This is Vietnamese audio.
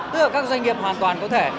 tức là các doanh nghiệp hoàn toàn có thể